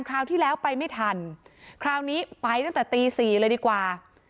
คราวที่แล้วไปไม่ทันคราวนี้ไปตั้งแต่ตีสี่เลยดีกว่า